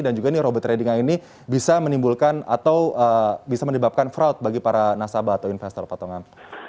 dan juga ini robot trading yang ini bisa menimbulkan atau bisa menyebabkan fraud bagi para nasabah atau investor pak tongam